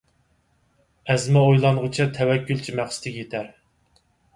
ئەزمە ئويلانغۇچە تەۋەككۈلچى مەقسىتىگە يېتەر.